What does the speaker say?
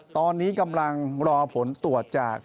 ตอนนี้กำลังรอผลตรวจจาก